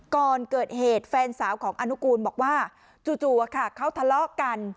ก่อนเกิดเหตุแฟนสาวของอนุกูลบอกว่าจู่เขาทะเลาะกัน